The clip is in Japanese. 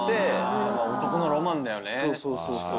そうそうそうそう。